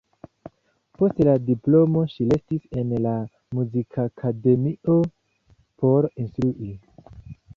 Post la diplomo ŝi restis en la Muzikakademio por instrui.